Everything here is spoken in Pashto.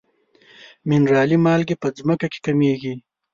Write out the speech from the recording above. منرالي مالګې په ځمکه کې کمیږي.